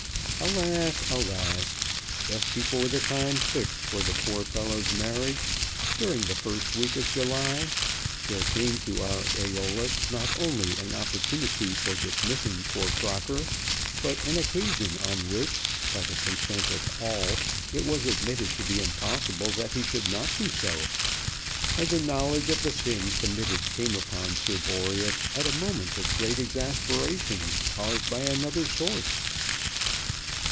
Alas, alas; just before the time fixed for the poor fellow's marriage, during the first week of July, there came to our Æolus not only an opportunity for dismissing poor Crocker, but an occasion on which, by the consent of all, it was admitted to be impossible that he should not do so, and the knowledge of the sin committed came upon Sir Boreas at a moment of great exasperation caused by another source.